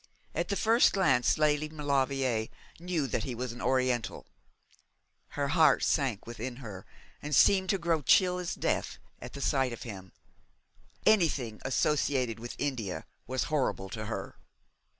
At the first glance Lady Maulevrier knew that he was an Oriental. Her heart sank within her, and seemed to grow chill as death at sight of him. Anything associated with India was horrible to her.